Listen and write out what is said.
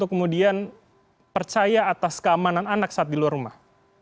kemudian percaya atas keamanan anak saat di luar rumah